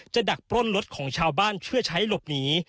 ดักปล้นรถของชาวบ้านเพื่อใช้หลบหนี